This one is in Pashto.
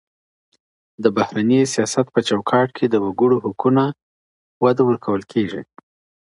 د بهرني سیاست په چوکاټ کي د وګړو حقونه نه وده ورکول کیږي.